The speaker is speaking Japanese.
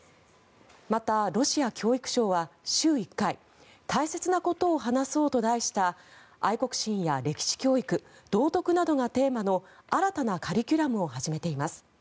また、ロシア教育省は、週１回「大切なことを話そう」と題した愛国心や歴史教育道徳などがテーマの新たなカリキュラムを始めています。